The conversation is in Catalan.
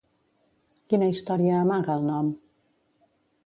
Quina història amaga el nom?